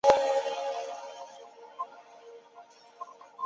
使用滑板作为交通工具会使玩家处于其他交通工具的危险中。